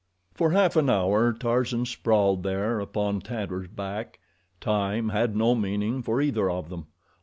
For half an hour Tarzan sprawled there upon Tantor's back. Time had no meaning for either of them.